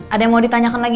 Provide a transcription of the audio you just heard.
ada yang mau ditanyakan lagi